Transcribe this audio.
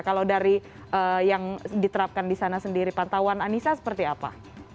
kalau dari yang diterapkan di sana sendiri pantauan anissa seperti apa